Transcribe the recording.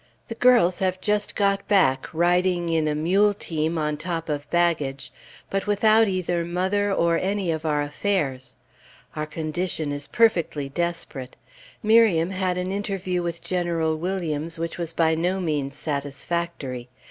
The girls have just got back, riding in a mule team, on top of baggage, but without either mother or any of our affairs. Our condition is perfectly desperate. Miriam had an interview with General Williams, which was by no means satisfactory.